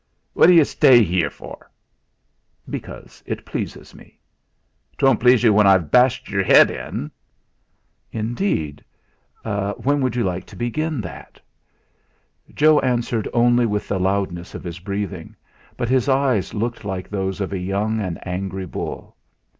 "What d'yu stay yere for?" "Because it pleases me." "Twon't please yu when I've bashed yure head in!" "Indeed! When would you like to begin that?" Joe answered only with the loudness of his breathing, but his eyes looked like those of a young and angry bull.